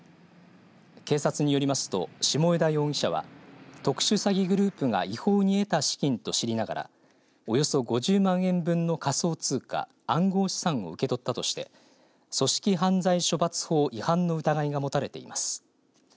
警察によりますと下枝容疑者は特殊詐欺グループが違法に得た資金と知りながらおよそ５０万円分の仮想通貨暗号資産を受け取ったとして組織犯罪処罰法違反の疑いが持たれています。